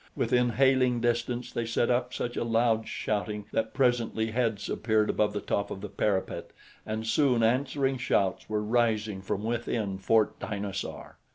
Within hailing distance they set up such a loud shouting that presently heads appeared above the top of the parapet and soon answering shouts were rising from within Fort Dinosaur.